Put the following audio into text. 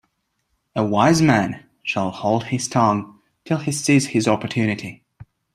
A wise man shall hold his tongue till he sees his opportunity.